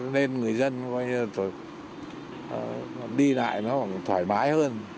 nên người dân đi lại nó thoải mái hơn